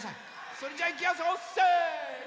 それじゃいきやすよせの！